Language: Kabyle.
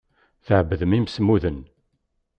Tɛebdem imsemmuden.